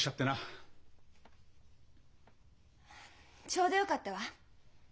ちょうどよかったわ。